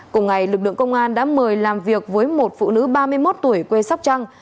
cùng ngày lực lượng công an đã mời làm việc với một phụ nữ ba mươi một tuổi quê sóc trăng